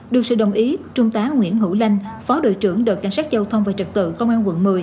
được sự đồng ý trung tá nguyễn hữu lanh phó đội trưởng đội cảnh sát giao thông và trật tự công an quận một mươi